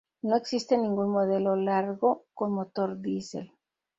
No existe ningún modelo largo con motor diesel.